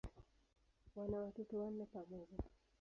Wana watoto wanne pamoja.